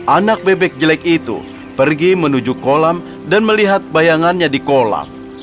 anak bebek jelek itu pergi menuju kolam dan melihat bayangannya di kolam